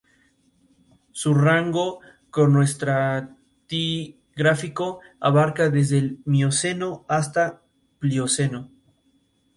Su rango cronoestratigráfico abarca desde el Mioceno hasta la Plioceno.